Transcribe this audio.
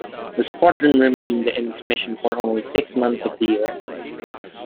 The Squadron remained in commission for only six months of the year.